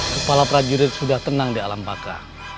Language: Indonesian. kepala prajurit sudah tenang di alam baka